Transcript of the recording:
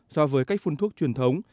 so với cách phun thuốc truyền thống